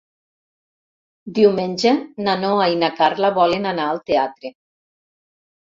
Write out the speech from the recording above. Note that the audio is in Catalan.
Diumenge na Noa i na Carla volen anar al teatre.